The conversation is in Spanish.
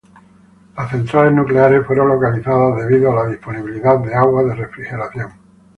Las centrales nucleares fueron localizadas debido a la disponibilidad de agua de refrigeración.